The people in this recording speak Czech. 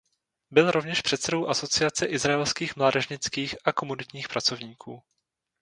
Byl rovněž předsedou Asociace izraelských mládežnických a komunitních pracovníků.